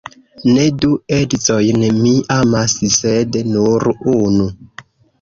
Ne du edzojn mi amas, sed nur unu.